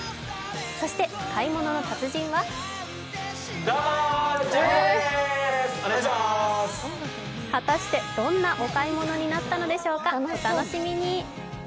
そして「買い物の達人」は果たしてどんなお買い物になったのでしょうか、お楽しみに。